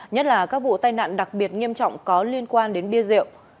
nhất là các vụ tai nạn đặc biệt nghiêm trọng có liên quan đến bia rượu